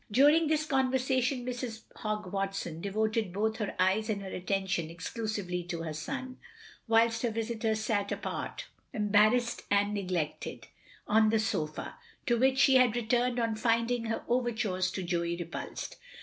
During thi^ conversation Mrs. Hogg Watson devoted both her eyes and her attrition exclu sively to her son, whilst her visitor sat apart, embarrassed and neglected, on the sofa; to which she had returned on finding her overtures to Joey repulsed.